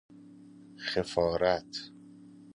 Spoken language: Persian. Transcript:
خفارت